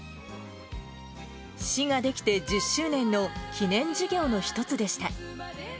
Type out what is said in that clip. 市が出来て１０周年の記念事業の一つでした。